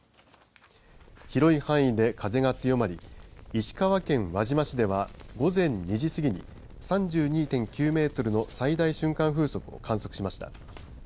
広い範囲で風が強まり石川県輪島市では午前２時過ぎに３２．９メートルの最大瞬間風速を観測しました。